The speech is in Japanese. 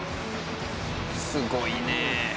すごいね。